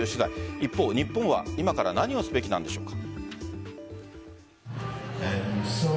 一方、日本は今から何をすべきなんでしょうか。